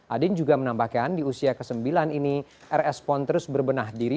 adin juga menambahkan di usia ke sembilan ini rs pon terus berbenah diri